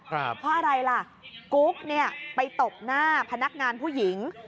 เพราะอะไรล่ะกุ๊กเนี่ยไปตบหน้าพนักงานผู้หญิง